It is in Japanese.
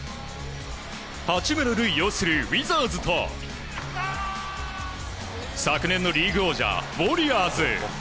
八村塁擁するウィザーズと昨年のリーグ王者、ウォリアーズ。